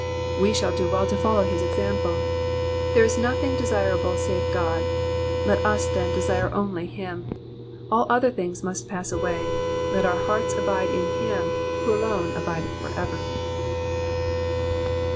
We shall do well to follow his example. There is nothing desirable save God ; let us, then, desire only him. All other things must pass away ; let our hearts abide in him, who alone abideth for ever.